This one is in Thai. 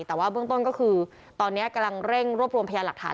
แต่ว่าเบื้องต้นก็คือตอนนี้กำลังเร่งรวบรวมพยานหลักฐาน